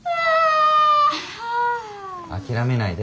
諦めないで。